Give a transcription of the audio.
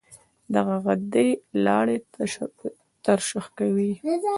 دغه غدې لاړې ترشح کوي.